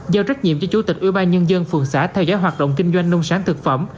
giao trách nhiệm cho chủ tịch ubnd phường xã theo dõi hoạt động kinh doanh nông sản thực phẩm